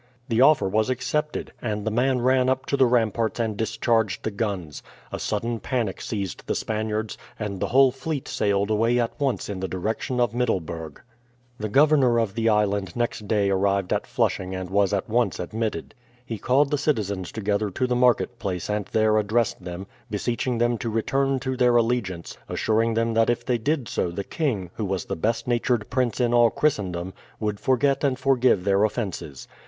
The offer was accepted, and the man ran up to the ramparts and discharged the guns. A sudden panic seized the Spaniards, and the whole fleet sailed away at once in the direction of Middelburg. The governor of the island next day arrived at Flushing and was at once admitted. He called the citizens together to the market place and there addressed them, beseeching them to return to their allegiance, assuring them that if they did so the king, who was the best natured prince in all Christendom, would forget and forgive their offenses.